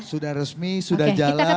sudah resmi sudah jalan